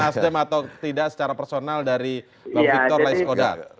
nasdem atau tidak secara personal dari bang victor laiskodat